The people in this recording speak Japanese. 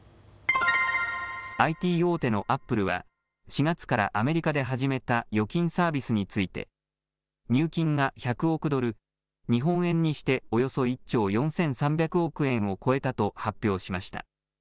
ＩＴ大手のアップルは４月からアメリカで始めた預金サービスについて入金が１００億ドル、日本円にしておよそ１兆４３００億円を超えたと発表しました。